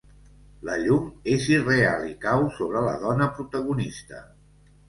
La llum és irreal i cau sobre la dona protagonista.